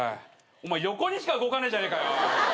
お前横にしか動かねえじゃねえか。